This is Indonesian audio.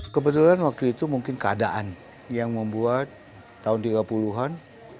kebetulan waktu itu mungkin keadaan yang membuat tahun tiga puluh an